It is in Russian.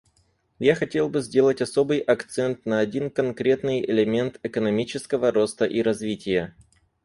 Я хотел бы сделать особый акцент на один конкретный элемент экономического роста и развития.